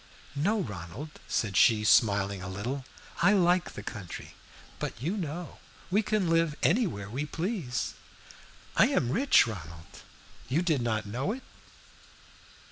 "No, Ronald," said she, smiling a little; "I like the country. But, you know, we can live anywhere we please. I am rich, Ronald you did not know it?"